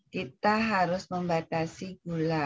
kita harus membatasi gula